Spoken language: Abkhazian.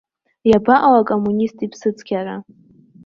Иабаҟоу акоммунист иԥсыцқьара?